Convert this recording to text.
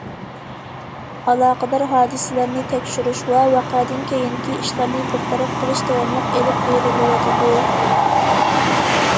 ئالاقىدار ھادىسىلەرنى تەكشۈرۈش ۋە ۋەقەدىن كېيىنكى ئىشلارنى بىر تەرەپ قىلىش داۋاملىق ئېلىپ بېرىلىۋاتىدۇ.